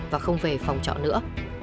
và không về phòng trọ nữa